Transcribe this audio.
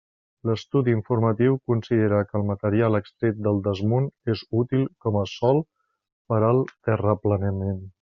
L'estudi informatiu considera que el material extret del desmunt és útil com a sòl per al terraplenament.